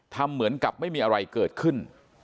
ทำเหมือนกับไม่มีอะไรเกิดขึ้น